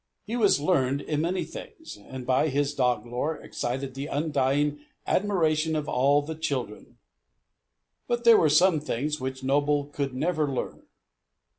He was learned in many things, and by his dog lore excited the undying admiration of all the children. But there were some things which Noble could never learn.